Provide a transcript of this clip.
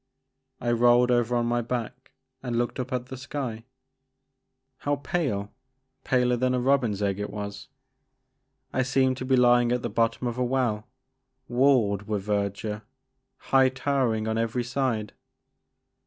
I rolled over on my back and looked up at the The Maker of Moons. 23 sky. How pale, — ^paler than a robin's t%'g^ — it was. I seemed to be lying at the bottom of a well, walled with verdure, high towering on every side.